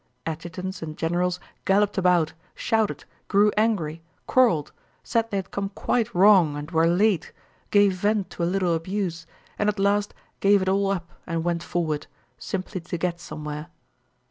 Adjutants and generals galloped about, shouted, grew angry, quarreled, said they had come quite wrong and were late, gave vent to a little abuse, and at last gave it all up and went forward, simply to get somewhere.